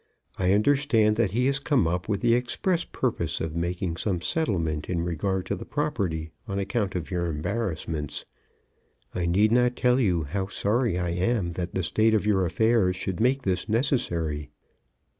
I understand that he has come up with the express purpose of making some settlement in regard to the property, on account of your embarrassments. I need not tell you how sorry I am that the state of your affairs should make this necessary.